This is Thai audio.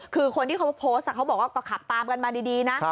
คือคนที่เขาโพสต์เขาบอกว่าก็ขับตามกันมาดีนะ